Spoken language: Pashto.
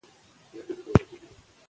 دې سفیر ته په فرانسه کې لمر پاچا ویل کېده.